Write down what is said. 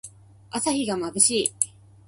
朝日がまぶしい。